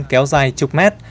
kéo dài chục mét